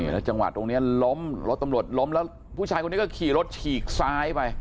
แล้วจังหวะตรงนี้ล้มรถตำรวจล้มแล้วผู้ชายคนนี้ก็ขี่รถฉีกซ้ายไป